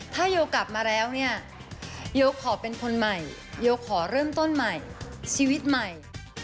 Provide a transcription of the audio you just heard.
ถ้าโยกลับมาแล้วเนี่ยโยขอเป็นคนใหม่โยขอเริ่มต้นใหม่ชีวิตใหม่